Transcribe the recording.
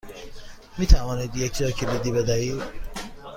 می توانید یک جاکلیدی بدهید؟